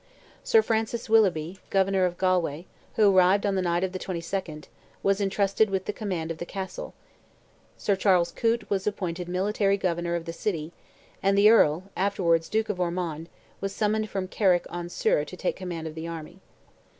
Sir Francis Willoughby, Governor of Galway, who arrived on the night of the 22nd, was entrusted with the command of the Castle, Sir Charles Coote was appointed Military Governor of the city, and the Earl, afterwards Duke of Ormond, was summoned from Carrick on Suir to take command of the army.